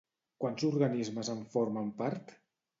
Quants organismes en formen part?